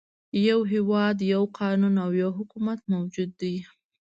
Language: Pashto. يو هېواد، یو قانون او یو حکومت موجود دی.